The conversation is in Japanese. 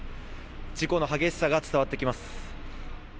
事故の激しさが伝わってきます。